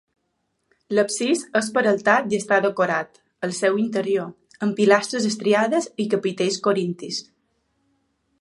L'absis és peraltat i està decorat, al seu interior, amb pilastres estriades i capitells corintis.